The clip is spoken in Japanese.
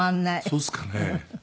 そうですかね。